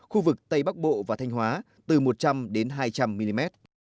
khu vực tây bắc bộ và thanh hóa từ một trăm linh đến hai trăm linh mm